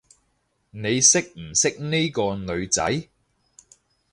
你識唔識呢個女仔？